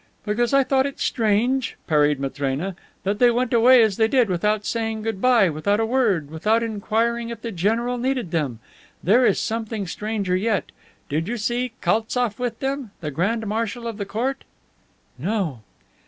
"Because I thought it strange," parried Matrena, "that they went away as they did, without saying goodby, without a word, without inquiring if the general needed them. There is something stranger yet. Did you see Kaltsof with them, the grand marshal of the court?" "No."